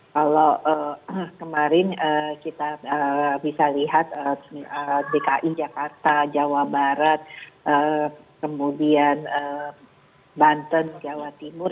kalau kemarin kita bisa lihat dki jakarta jawa barat kemudian banten jawa timur